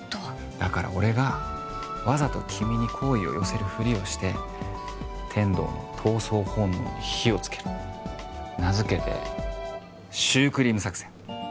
だから俺がわざと君に好意を寄せるふりをして天堂の闘争本能に火をつける名づけて「シュークリーム作戦」